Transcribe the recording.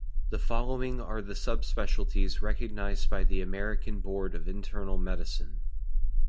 The following are the subspecialties recognized by the American Board of Internal Medicine.